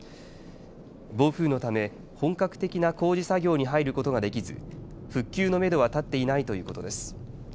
暴風のため本格的な工事作業に入ることができず復旧のめどは立っていないということです。